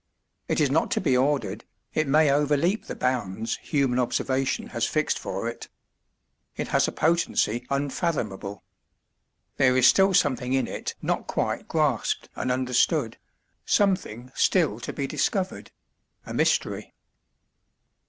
It is not to be ordered, it may overleap the bounds human observation has fixed for it. It has a potency unfathomable. There is still something in it not quite grasped and understood something still to be discovered a mystery.